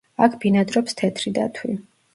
აქ ბინადრობს თეთრი დათვი.